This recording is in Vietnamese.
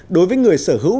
đối với người sở hữu